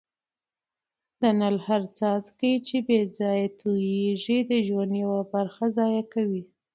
د نل هر څاڅکی چي بې ځایه تویېږي د ژوند یوه برخه ضایع کوي.